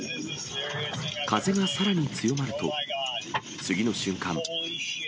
風がさらに強まると、次の瞬間。